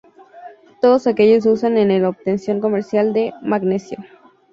Todos ellos se usan en la obtención comercial de Magnesio.